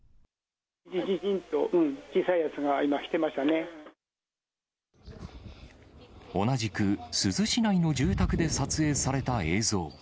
じじじと、同じく、珠洲市内の住宅で撮影された映像。